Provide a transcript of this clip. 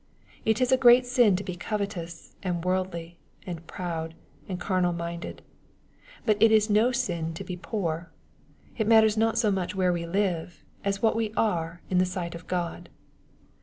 It is a great sin to be covetous, and worldly, and proud, and carnal minded. But it is no sin to be poor. It matters not so much where we live, as what we are in the sight of God.